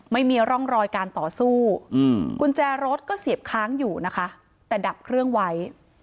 ไม่มีร่องรอยการต่อสู้กุญแจรถก็เสียบค้างอยู่นะคะแต่ดับเครื่องไว้